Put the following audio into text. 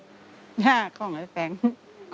หน้าของไอ้แฟงค์